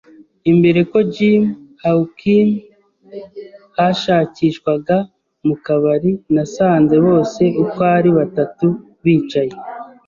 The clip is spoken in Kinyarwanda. imbere ko Jim Hawkins yashakishwaga mu kabari. Nasanze bose uko ari batatu bicaye